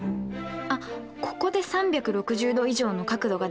あっここで３６０°以上の角度が出てくるんですね。